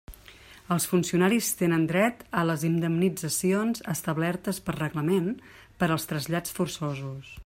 Els funcionaris tenen dret a les indemnitzacions establertes per reglament per als trasllats forçosos.